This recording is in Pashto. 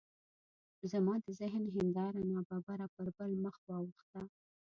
زما د ذهن هنداره ناببره پر بل مخ واوښته.